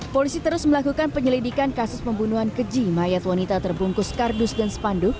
polisi terus melakukan penyelidikan kasus pembunuhan keji mayat wanita terbungkus kardus dan spanduk